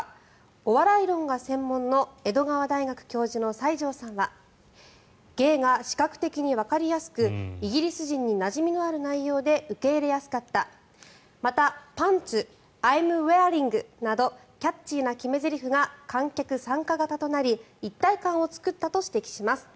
お笑い論が専門の江戸川大学教授の西条さんは芸が視覚的にわかりやすくイギリス人になじみのある内容で受け入れやすかったまた、パンツアイム・ウェアリングなどキャッチーな決めゼリフが観客参加型となり一体感を作ったと指摘します。